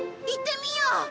行ってみよう。